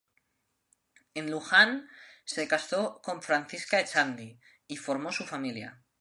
En Luján, se casó con Francisca Echandi y formó su familia.